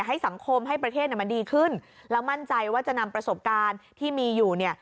ให้สังคมให้ประเทศมันดีขึ้นแล้วมั่นใจว่าจะนำประสบการณ์ที่มีอยู่เนี่ย